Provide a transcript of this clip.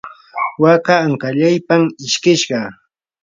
waka ankallaypam ishkishqa.